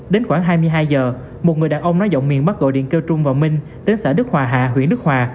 đến khoảng hai mươi hai giờ một người đàn ông nói giọng miệng bắt gọi điện kêu trung và minh đến xã đức hòa hà huyện đức hòa